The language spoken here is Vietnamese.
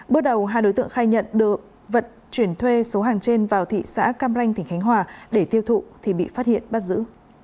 bước đầu hai đối tượng khai nhận được vận chuyển thuê số hàng trên vào thị xã cam ranh tỉnh khánh hòa để tiêu thụ thì bị phát hiện bắt giữ